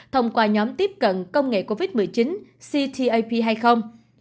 thông qua nhóm tiếp cận công nghệ covid một mươi chín ctap hay không